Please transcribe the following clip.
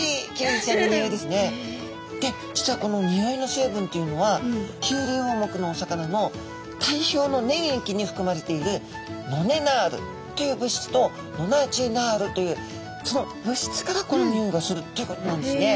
実はこの匂いの成分っていうのはキュウリウオ目のお魚の体表の粘液に含まれているノネナールという物質とノナジエナールというその物質からこの匂いがするということなんですね。